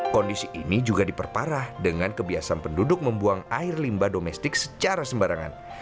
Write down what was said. kondisi ini juga diperparah dengan kebiasaan penduduk membuang air limba domestik secara sembarangan